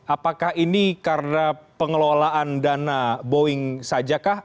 apakah ini karena pengelolaan dana boeing saja kah